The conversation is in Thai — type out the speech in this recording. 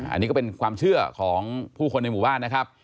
อันนี้ก็เป็นความเชื่อของผู้คนในหมู่บ้านนะครับ